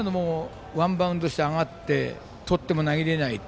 ワンバウンドして上がってとっても投げられない。